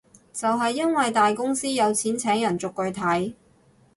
就係因為大公司有錢請人逐句睇